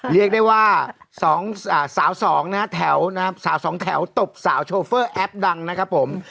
เรียกได้ว่าสองสาวสองนะฮะแถวนะครับสาวสองแถวตบสาวโชเฟอร์แอปดังนะครับผม